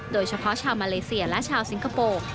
โดยเฉพาะชาวมาเลเซียและชาวสิงคโปร์